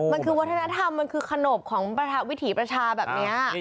มันคือวัฒนธรรมมันคือขนบของวิถีประชาแบบนี้